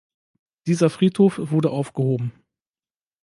Dieser Friedhof wurde aufgehoben.